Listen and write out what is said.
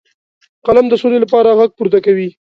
قلم د سولې لپاره غږ پورته کوي